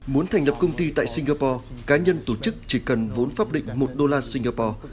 muốn thành lập công ty tại singapore cá nhân tổ chức chỉ cần vốn pháp định một đô la singapore